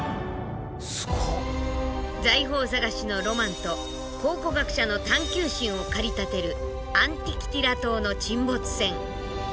財宝探しのロマンと考古学者の探求心を駆り立てるアンティキティラ島の沈没船。